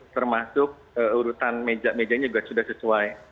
termasuk urutan meja mejanya juga sudah sesuai